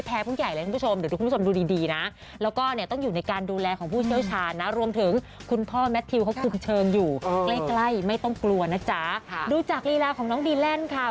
พิวเขาก็เชิญอยู่เออใกล้ไม่ต้องกลัวนะจ๊ะค่ะดูจากรีลาของน้องดีเล่นค่ะ